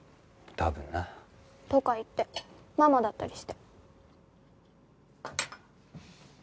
多分な。とか言ってママだったりして。